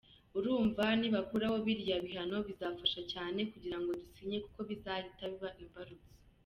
Urumva nibakuraho biriya bihano bizafasha cyane kugira ngo dusinye kuko bizahita biba imbarutso.